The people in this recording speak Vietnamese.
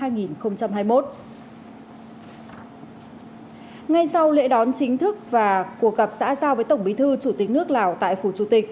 ngay sau lễ đón chính thức và cuộc gặp xã giao với tổng bí thư chủ tịch nước lào tại phủ chủ tịch